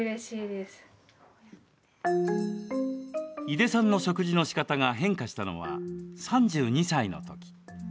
井出さんの食事のしかたが変化したのは３２歳のとき。